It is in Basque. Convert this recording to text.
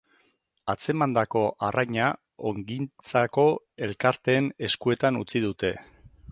Atzemandako arraina ongintzako elkarteen eskuetan utzi dute.